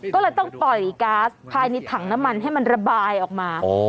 ก็เลยต้องปล่อยก๊าซภายในถังน้ำมันให้มันระบายออกมา